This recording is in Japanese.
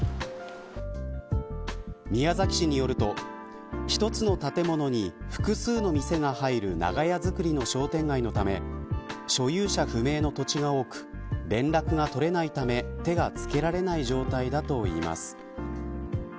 宮崎市によると一つの建物に複数の店が入る長屋造りの商店街のため所有者不明の土地が多く連絡が取れないため手がつけられない状態だといいます。